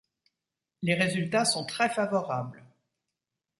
Les résultats sont très favorables.